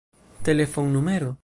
telefonnumero